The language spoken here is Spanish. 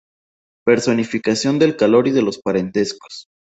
Personificación del calor y de los parentescos.